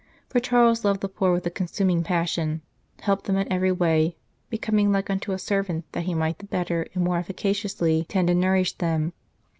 For Charles loved the poor with a consuming passion, helped them in every way, becoming like unto a servant that he might the better and more efficaciously tend and nourish them.